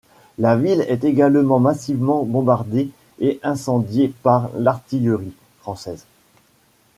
La ville est également massivement bombardée et incendiée par l'artillerie française.